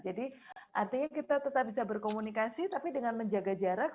jadi artinya kita tetap bisa berkomunikasi tapi dengan menjaga jarak